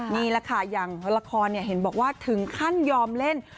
นี่แหละค่ะอย่างละครเห็นบอกว่าถึงขั้นยอมเล่น